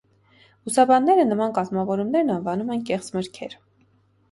Բուսաբանները նման կազմավորումներն անվանում են «կեղծ մրգեր»։